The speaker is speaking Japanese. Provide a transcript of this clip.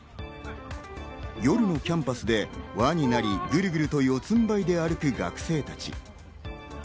夜のキャンパスで輪になり、グルグルとよつんばいで歩く学生たち。